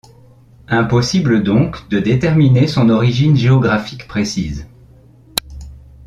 Impossible donc de déterminer son origine géographique précise.